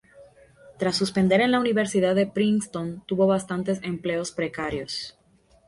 Tras suspender en la Universidad de Princeton, tuvo bastantes empleos precarios.